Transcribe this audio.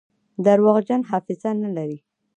درواغجن حافظه نلري.